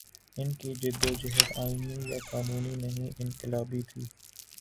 ان کی جد وجہد آئینی یا قانونی نہیں، انقلابی تھی۔